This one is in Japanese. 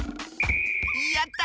やった！